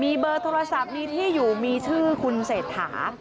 มีเบอร์โทรศัพท์มีที่อยู่มีชื่อคุณเศรษฐา